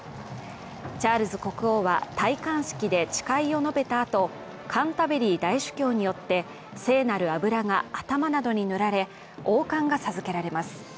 チャールズ国王は戴冠式で誓いを述べたあとカンタベリー大主教によって聖なる油が頭などに塗られ、王冠が授けられます。